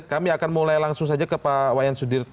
kami akan mulai langsung saja ke pak wayan sudir